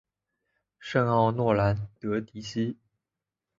圣奥诺兰德迪西。